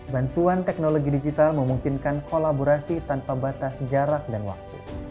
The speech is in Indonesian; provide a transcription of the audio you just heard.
bantuan teknologi digital memungkinkan kolaborasi tanpa batas jarak dan waktu